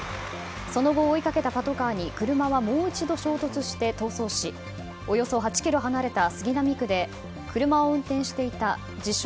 その後、追いかけたパトカーに車はもう一度衝突して逃走しおよそ８ｋｍ離れた杉並区で車を運転していた自称